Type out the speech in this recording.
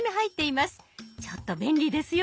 ちょっと便利ですよ。